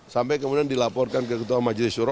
sampai kemudian dilaporkan ke ketua majelis suro